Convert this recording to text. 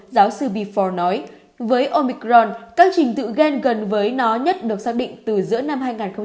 giáo sư beffle nói với omicron các trình tự gen gần với nó nhất được xác định từ giữa năm hai nghìn hai mươi